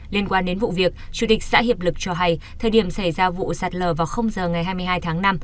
liên quan đến vụ việc chủ tịch xã hiệp lực cho hay thời điểm xảy ra vụ sạt lở vào giờ ngày hai mươi hai tháng năm